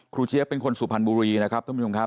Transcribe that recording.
เจี๊ยบเป็นคนสุพรรณบุรีนะครับท่านผู้ชมครับ